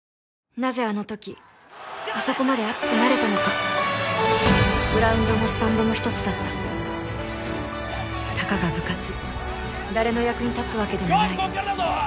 なぜあの時あそこまで熱くなれたのかグラウンドもスタンドも一つだったたかが部活誰の役に立つわけでもない勝負こっからだぞ！